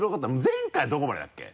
前回どこまでだっけ？